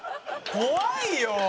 怖いよ！